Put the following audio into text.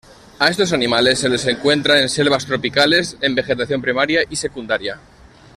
A estos animales se les encuentra en selvas tropicales, en vegetación primaria y secundaria.